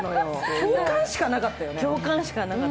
共感しかなかったよね。